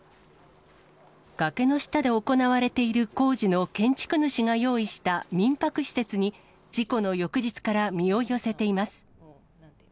崖の下で行われている工事の建築主が用意した民泊施設に、事故の翌日から身を寄せています。